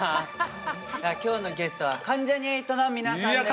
今日のゲストは関ジャニ∞の皆さんです。